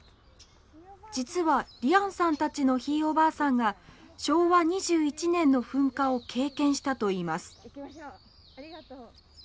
実は璃杏さんたちのひいおばあさんが昭和２１年の噴火を経験したといいます。